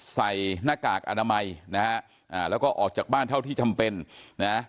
ใส่หน้ากากอนามัยนะฮะอ่าแล้วก็ออกจากบ้านเท่าที่จำเป็นนะ